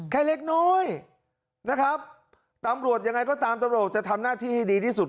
เล็กน้อยนะครับตำรวจยังไงก็ตามตำรวจจะทำหน้าที่ให้ดีที่สุด